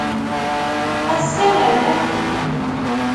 Ass-a nerna-ten.